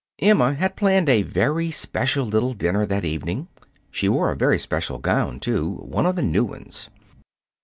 Emma had planned a very special little dinner that evening. She wore a very special gown, too one of the new ones.